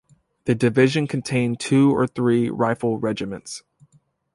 The division contained two or three rifle regiments.